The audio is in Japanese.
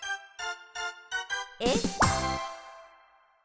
えっ？